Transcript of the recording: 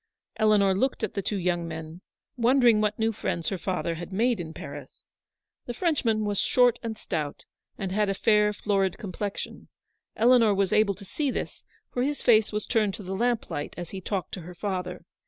Eleanor looked at the two young men, wonder ins: what new friends her father had made in Paris. The Frenchman was short and stout, and had a fair, florid complexion. Eleanor was able to see this, for his face was turned to the lamp light, as he talked to her father.